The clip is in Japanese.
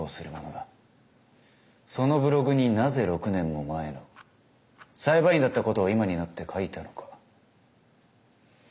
そのブログになぜ６年も前の裁判員だったことを今になって書いたのか？